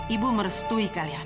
ibu merestui kalian